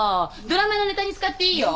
ドラマのネタに使っていいよ。